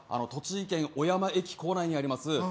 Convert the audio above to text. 栃木県小山駅構内にあります